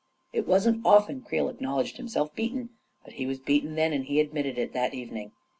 It wasn't often Creel acknowledged himself beaten; but he was beaten then, and he admitted it that evening.